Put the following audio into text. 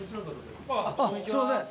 あっすいません